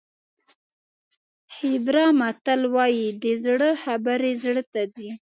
هیبرا متل وایي د زړه خبرې زړه ته ځي.